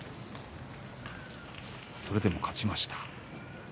それでも勝ちました。